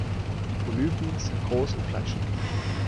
Die Polypen sind groß und fleischig.